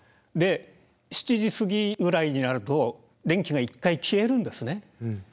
７時過ぎぐらいになると電気が一回消えるんですね。